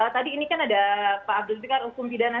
tadi ini kan ada pak abdul fikar hukum pidana